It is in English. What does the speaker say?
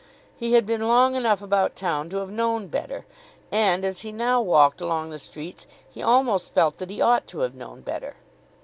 He had been long enough about town to have known better, and as he now walked along the streets, he almost felt that he ought to have known better.